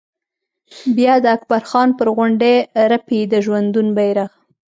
بیا د اکبر خان پر غونډۍ رپي د ژوندون بيرغ